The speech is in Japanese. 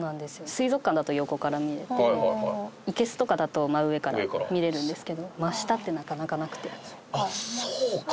水族館だと横から見れていけすとかだと真上から見れるんですけどあっそうか。